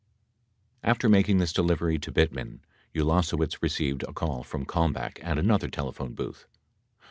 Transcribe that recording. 77 After making this delivery to Bittman, Ulasewicz received a call from Kalmbach at another telephone booth.